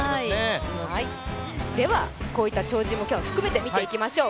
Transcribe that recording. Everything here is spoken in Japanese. こういった超人も含めて、今日見ていきましょう。